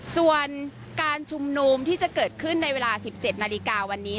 ส่วนการชุมนุมที่จะเกิดขึ้นในเวลา๑๗นาฬิกาวันนี้